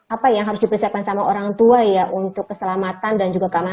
apa yang harus dipersiapkan sama orang tua ya untuk keselamatan dan juga keamanan